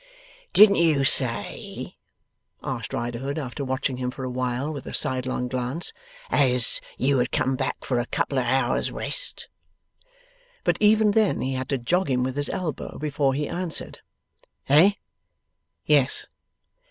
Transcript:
'Didn't you say,' asked Riderhood, after watching him for a while with a sidelong glance, 'as you had come back for a couple o' hours' rest?' But, even then he had to jog him with his elbow before he answered. 'Eh? Yes.